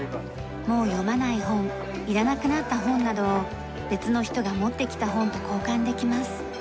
もう読まない本いらなくなった本などを別の人が持ってきた本と交換できます。